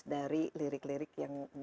dari lirik lirik yang